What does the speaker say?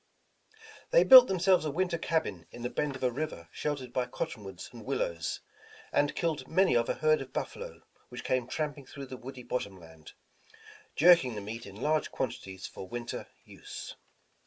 They built themselves a winter cabin in the bend of a river sheltered by cottonwoods and willows, and killed many of a herd of buffalo, which came tramping through the woody bottom land, jerking the meat in large quantities for winter use.